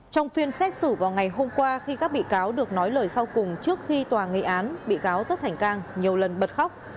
trong phiên xét xử vào ngày hôm qua khi các bị cáo được nói lời sau cùng trước khi tòa nghị án bị cáo tất thành cang nhiều lần bật khóc